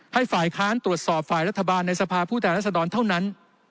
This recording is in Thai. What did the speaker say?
ให้ฝ่ายค้านตรวจสอบฝ่ายรัฐบาลในสภาพผู้แทนรัศดรเท่านั้น